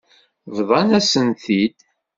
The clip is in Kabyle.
Bḍan-asen-t-id.